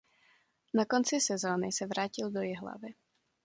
Na konci sezóny se vrátil do Jihlavy.